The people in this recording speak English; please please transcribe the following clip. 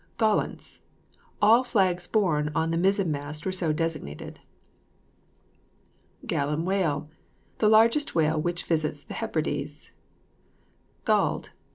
GALLANTS. All flags borne on the mizen mast were so designated. GALLAN WHALE. The largest whale which visits the Hebrides. GALLED.